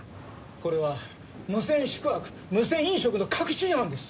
これは無銭宿泊無銭飲食の確信犯です！